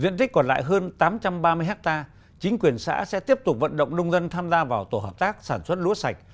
diện tích còn lại hơn tám trăm ba mươi hectare chính quyền xã sẽ tiếp tục vận động nông dân tham gia vào tổ hợp tác sản xuất lúa sạch